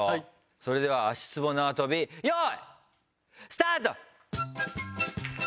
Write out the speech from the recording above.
それでは足ツボ縄跳び用意スタート！